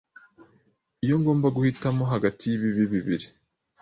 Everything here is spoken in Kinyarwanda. Iyo ngomba guhitamo hagati y'ibibi bibiri,